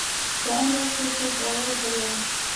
په عین وخت کې خوش باوره سړی و.